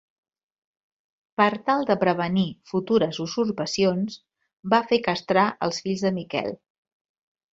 Per tal de prevenir futures usurpacions va fer castrar els fills de Miquel.